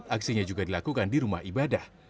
aksinya juga dilakukan di rumah ibadah